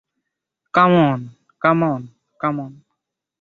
Come on, come on, come on.